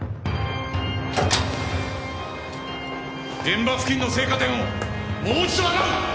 現場付近の生花店をもう一度洗う！